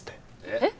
えっ？